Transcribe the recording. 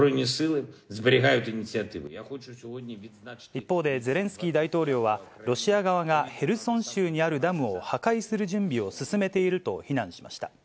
一方で、ゼレンスキー大統領は、ロシア側が、ヘルソン州にあるダムを破壊する準備を進めていると非難しました。